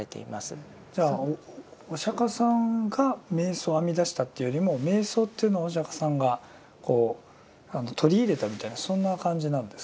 じゃあお釈さんが瞑想を編み出したというよりも瞑想というのをお釈さんがこう取り入れたみたいなそんな感じなんですか。